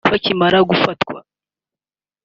Bakimara gufatwa